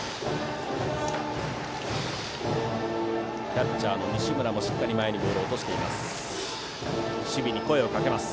キャッチャーの西村もしっかり前にボールを落としています。